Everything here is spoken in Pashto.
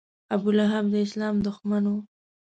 ابولهب د اسلام دښمن و.